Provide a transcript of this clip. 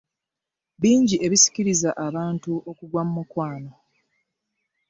Bingi ebisikiriza abantu okugwa mu mukwano.